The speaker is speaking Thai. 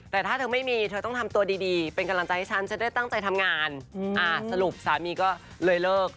แต่ถ้าเธอไม่มีเธอต้องทำตัวดีเป็นกำลังใจให้ฉันฉันได้ตั้งใจทำงานสรุปสามีก็เลยเลิก